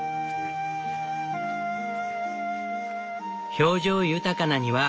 表情豊かな庭。